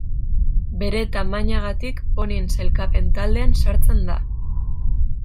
Bere tamainagatik ponien sailkapen taldean sartzen da.